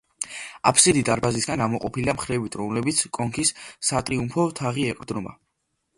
აფსიდი დარბაზისგან გამოყოფილია მხრებით, რომელსაც კონქის სატრიუმფო თაღი ეყრდნობა.